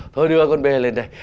thôi đưa con bê lên đây